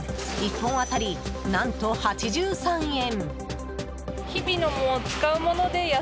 １本当たり、何と８３円。